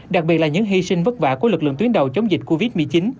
đặc biệt là những hy sinh vất vả của lực lượng tuyến đầu chống dịch covid một mươi chín